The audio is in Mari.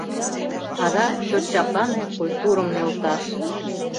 Адак чот чаплане культурым нӧлташ!